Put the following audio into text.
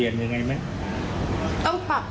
อายุเยอะแล้ว